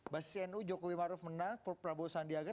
basi nu jokowi maruf menang prabowo sandiaga